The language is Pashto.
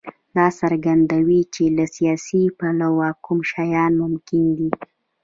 دا څرګندوي چې له سیاسي پلوه کوم شیان ممکن دي.